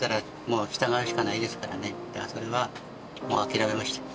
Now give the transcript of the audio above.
それはもう諦めました。